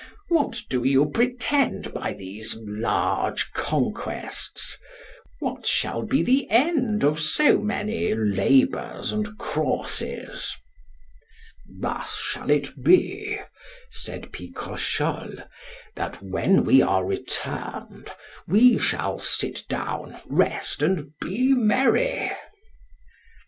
What do you pretend by these large conquests? What shall be the end of so many labours and crosses? Thus it shall be, said Picrochole, that when we are returned we shall sit down, rest, and be merry.